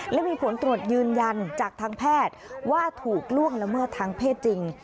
และมีผลตรวจยืนยันจากทางแพทย์ว่าถูกล่วงละเมิดทางเพศจริง